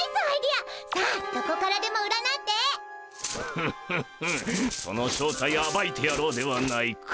フッフッフその正体あばいてやろうではないか！